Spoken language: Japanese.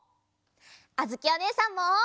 あづきおねえさんも！